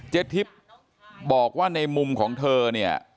เจ็ดทริปบอกว่าในมุมของเธอเนี่ย